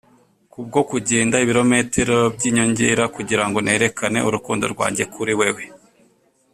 kubwo kugenda ibirometero byinyongera kugirango nerekane urukundo rwanjye kuri wewe.